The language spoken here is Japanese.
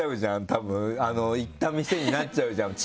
たぶん行った店になっちゃうじゃん地域。